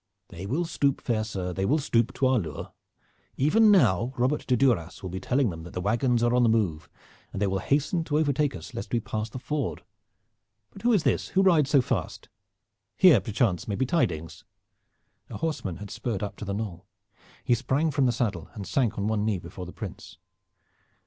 "They will stoop, fair sir, they will stoop to our lure. Even now Robert de Duras will be telling them that the wagons are on the move, and they will hasten to overtake us lest we pass the ford. But who is this, who rides so fast? Here perchance may be tidings." A horseman had spurred up to the knoll. He sprang from the saddle, and sank on one knee before the Prince.